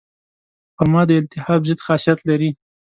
خرما د التهاب ضد خاصیت لري.